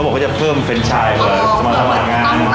มันได้ซี่